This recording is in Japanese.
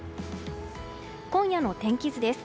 今夜の天気図です。